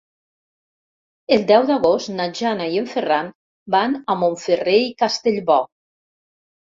El deu d'agost na Jana i en Ferran van a Montferrer i Castellbò.